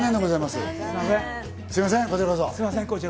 すみません。